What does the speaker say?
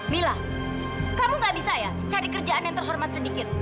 mila kamu gak bisa ya cari kerjaan yang terhormat sedikit